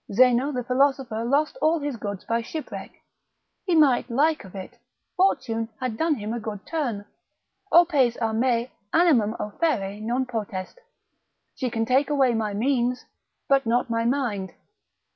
Zeno the philosopher lost all his goods by shipwreck, he might like of it, fortune had done him a good turn: Opes a me, animum auferre non potest: she can take away my means, but not my mind.